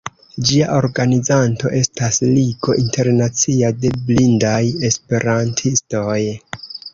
Ĝia organizanto estas Ligo Internacia de Blindaj Esperantistoj.